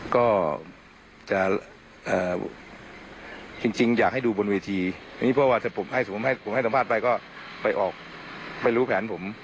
ก็จะจริงอยากให้ดูบนเวทีนี้เพราะว่าถ้าผมให้ผมให้สัมภาษณ์ไปก็ไปออกไม่รู้แผนผม